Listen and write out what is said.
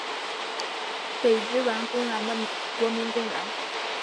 北之丸公园的国民公园。